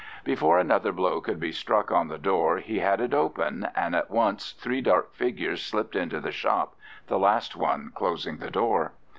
Before another blow could be struck on the door he had it open, and at once three dark figures slipped into the shop, the last one closing the door.